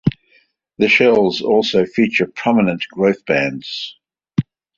The shells also feature prominent growth bands.